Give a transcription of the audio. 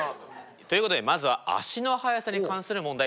ということでまずは足の速さに関する問題